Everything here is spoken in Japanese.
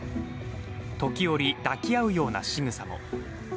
時折、抱き合うようなしぐさも。